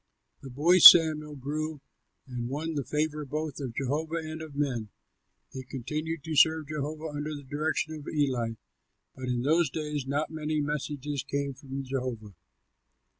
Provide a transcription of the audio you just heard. The boy Samuel grew and won the favor both of Jehovah and of men. He continued to serve Jehovah under the direction of Eli; but in those days not many messages came from Jehovah.